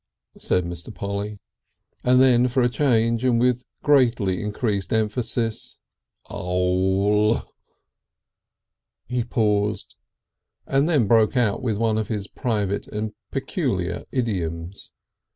said Mr. Polly, and then for a change, and with greatly increased emphasis: "'Ole!" He paused, and then broke out with one of his private and peculiar idioms.